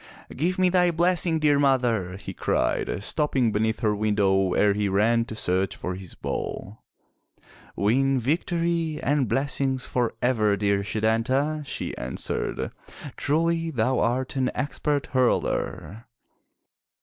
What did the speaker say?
"Give me thy blessing, dear mother!" he cried, stopping beneath her window ere he ran to search for his ball. "Win victory and blessings forever, dear Setanta," she answered. "Truly thou art an expert hurler!"